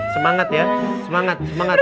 semangat ya semangat semangat